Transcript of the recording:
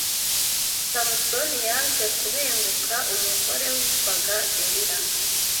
Samusoni yaje kubenguka umugore witwaga Delila